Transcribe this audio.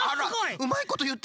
うまいこといってる！